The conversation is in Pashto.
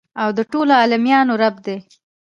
او د ټولو عالميانو رب دى.